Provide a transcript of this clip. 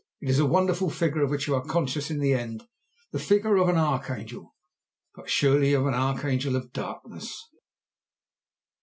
It is a wonderful figure of which you are conscious in the end, the figure of an archangel, but surely of an archangel of darkness.